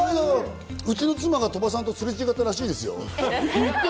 うちの妻が鳥羽さんとすれ違ったみたいですよ。